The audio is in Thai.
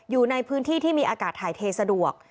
อยู่ในพื้นที่ที่มีอากาศถ่ายเทสะดวก